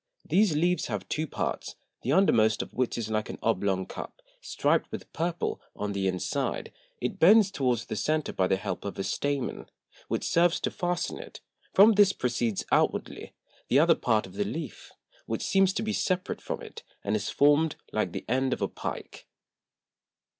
These Leaves have two Parts, the undermost of which is like an oblong Cup, striped with Purple; on the inside, it bends towards the Center by the help of a Stamen, which serves to fasten it; from this proceeds outwardly, the other Part of the Leaf, which seems to be separate from it, and is formed like the End of a Pike.